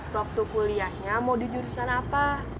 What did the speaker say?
waktu kuliahnya mau di jurusan apa